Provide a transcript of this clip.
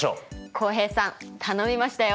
浩平さん頼みましたよ！